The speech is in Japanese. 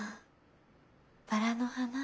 バラの花。